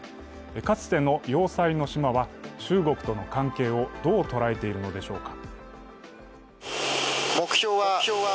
かつての要塞の島は、中国との関係をどう捉えているのでしょうか。